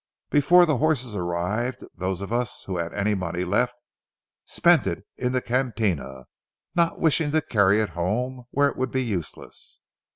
Before the horses arrived, those of us who had any money left spent it in the cantina, not wishing to carry it home, where it would be useless.